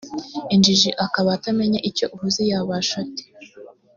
injiji akaba atamenye icyo uvuze yabasha ate